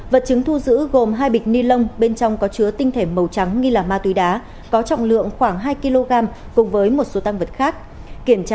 vật chứng thu giữ gồm hai bịch ni lông bên trong có chứa tinh thể màu trắng nghi là ma túy đá có trọng lượng khoảng hai kg cùng với một số tăng vật khác